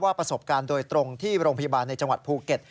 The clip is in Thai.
ประสบการณ์โดยตรงที่โรงพยาบาลในจังหวัดภูเก็ต